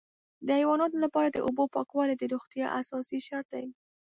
د حیواناتو لپاره د اوبو پاکوالی د روغتیا اساسي شرط دی.